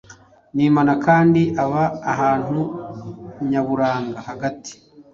nimanakandi aba ahantu nyaburanga hagati